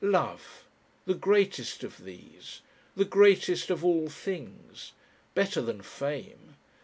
Love! The greatest of these. The greatest of all things. Better than fame.